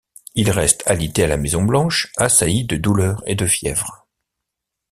Il reste alité à la Maison Blanche, assailli de douleurs et de fièvre.